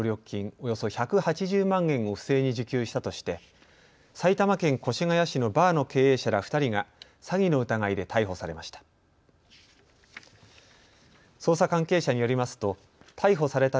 およそ１８０万円を不正に受給したとして埼玉県越谷市のバーの経営者ら２人が詐欺の疑いで逮捕されました。